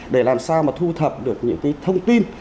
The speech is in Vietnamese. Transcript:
để làm sao mà thu thập được những cái thông tin